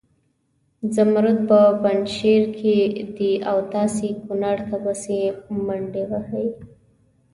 زمرود په پنجشیر کې دي او تاسې کنړ ته پسې منډې وهئ.